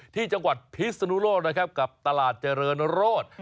ที่จังหวัดพิศนุโลกนะครับกับตลาดเจริญโรธ